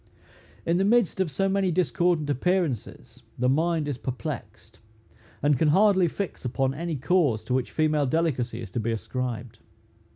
In the midst of so many discordant appearances, the mind is perplexed, and can hardly fix upon any cause to which female delicacy is to be ascribed.